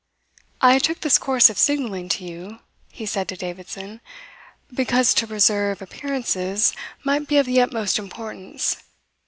"I took this course of signalling to you," he said to Davidson, "because to preserve appearances might be of the utmost importance.